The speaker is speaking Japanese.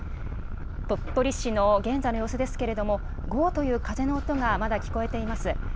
鳥取市の現在の様子ですけれども、ごーっという風の音がまだ聞こえています。